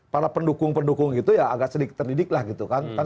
para pendukung pendukung gitu ya agak sedikit terdidik lah gitu kan